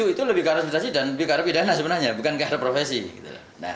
itu lebih ke aromidasi dan lebih ke aromidana sebenarnya bukan ke aromidasi